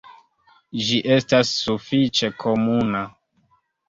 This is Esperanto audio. Ĝi estas sufiĉe komuna.